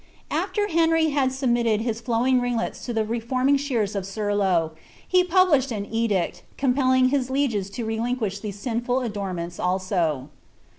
After Henry had submitted his flowing ringlets to the reforming shean of Serlo, he published an edict, compelling his lieges to relinquish these sinful adornments also.